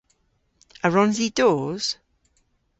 A wrons i dos?